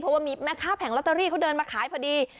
เพราะว่ามีแม่ค้าแผงลอตเตอรี่เขาเดินมาขายพอดี